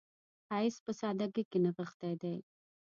ښایست په سادګۍ کې نغښتی دی